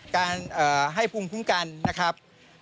การให้ภูมิคุ้มกันนะครับ